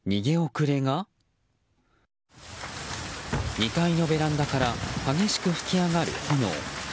２階のベランダから激しく噴き上がる炎。